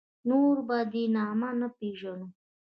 نور یې په دې نامه نه پېژنو.